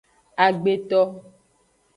Agbeto.